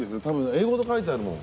英語で書いてあるもん。